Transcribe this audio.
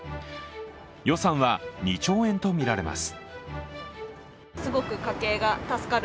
予算は２兆円とみられます。